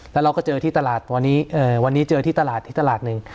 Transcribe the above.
แล้วเราก็เจอที่ตลาดวันนี้วันนี้เจอที่ตลาดที่ตลาดหนึ่ง